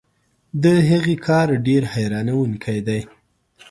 د هغې کار ډېر حیرانوونکی دی.